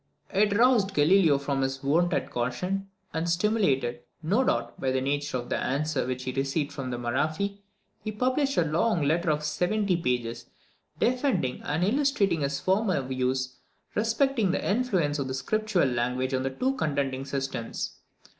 It roused Galileo from his wonted caution; and stimulated, no doubt, by the nature of the answer which he received from Maraffi, he published a long letter of seventy pages, defending and illustrating his former views respecting the influence of scriptural language on the two contending systems.